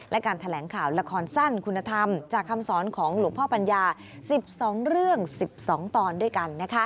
และการแถลงข่าวละครสั้นคุณธรรมจากคำสอนของหลวงพ่อปัญญา๑๒เรื่อง๑๒ตอนด้วยกัน